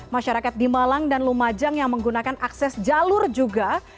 masyarakat di malang dan lumajang yang menggunakan akses jalur juga